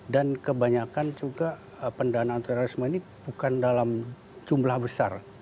dan kebanyakan juga pendanaan teroris ini bukan dalam jumlah besar